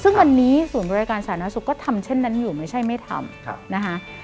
ซึ่งวันนี้ศูนย์บริการสาธารณสุขก็ทำเช่นนั้นอยู่ไม่ใช่ไม่ทำนะคะ